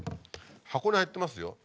箱に入ってますよ。